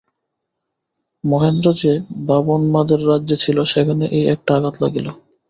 মহেন্দ্র যে ভাবোন্মাদের রাজ্যে ছিল, সেখানে এই একটা আঘাত লাগিল।